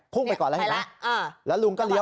ไปก่อนแล้วเห็นไหมแล้วลุงก็เลี้ย